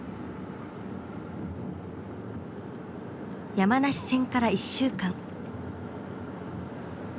山梨戦から１週間。